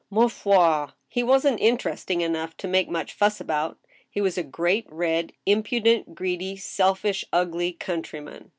Ma foi^ he wasn't interesting enough td make much fuss about ; he was a g^cat red, impudent, greedy, selfish, ugly country man.